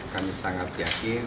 kami sangat yakin